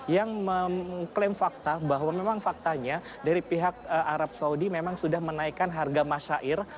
yang mengklaim fakta bahwa memang faktanya dari pihak arab saudi memang sudah menaikkan harga masyair